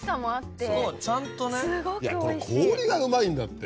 これ氷がうまいんだって。